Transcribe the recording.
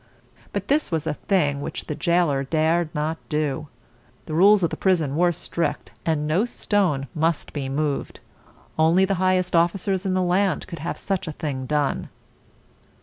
But this was a thing which the jailer dared not do. The rules of the prison were strict, and no stone must be moved. Only the highest officers in the land could have such a thing done.